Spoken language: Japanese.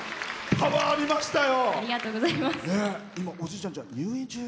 パワーありましたよ。